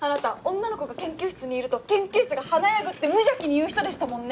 「女の子が研究室にいると研究室が華やぐ」って無邪気に言う人でしたもんね。